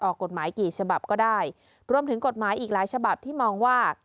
กฎหมายกี่ฉบับก็ได้รวมถึงกฎหมายอีกหลายฉบับที่มองว่า